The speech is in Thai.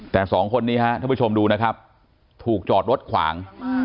แต่สองคนนี้ฮะท่านผู้ชมดูนะครับถูกจอดรถขวาง